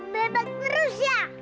bebek terus ya